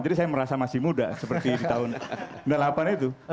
jadi saya merasa masih muda seperti di tahun seribu sembilan ratus sembilan puluh delapan itu